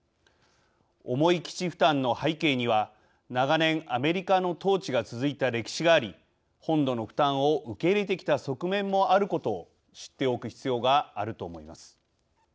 重い基地負担の背景には長年アメリカの統治が続いた歴史があり本土の負担を受け入れてきた側面もあることを知っておく必要があると思います。